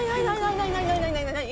何？